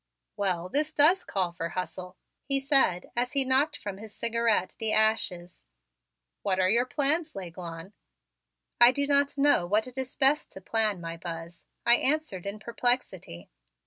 "Well, this does call for hustle," he said as he knocked from his cigarette the ashes. "What are your plans, L'Aiglon?" "I do not know what it is best to plan, my Buzz," I answered in perplexity.